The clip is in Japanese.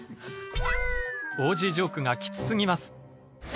オージージョークがきつすぎます。